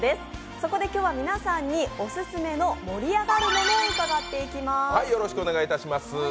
そこで今日は皆さんにオススメの盛り上がるものを伺っていきます。